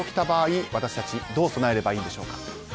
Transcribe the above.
場合私たち、どう備えればいいんでしょうか。